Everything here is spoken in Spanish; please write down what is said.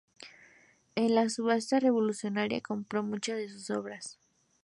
En las subastas revolucionarias compró muchas de sus obras.